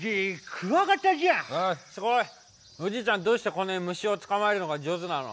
すごい！おじいちゃんどうしてこんなに虫を捕まえるのが上手なの？